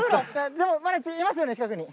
でもまだいますよね近くに。